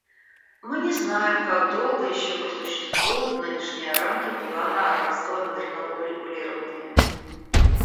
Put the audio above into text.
Мы не знаем, как долго еще просуществуют нынешние рамки плана арабского мирного урегулирования.